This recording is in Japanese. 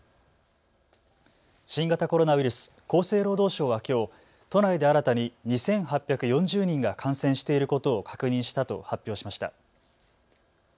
新型コロナウイルス、厚生労働省はきょう都内で新たに２８４０人が感染していることを確認したと発表しました。